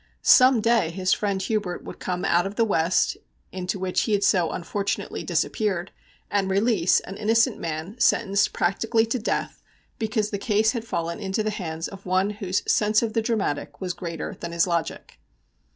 Some day his friend Hubert would come out of the West, into which he had so unfortunately disappeared, and release an innocent man, sentenced, practically to death, because the case had fallen into the hands of one whose sense of the dramatic was greater than his logic.